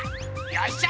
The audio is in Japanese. よっしゃ！